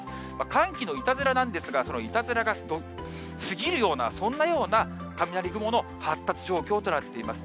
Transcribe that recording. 寒気のいたずらなんですが、そのいたずらがすぎるような、そんなような雷雲の発達状況となっています。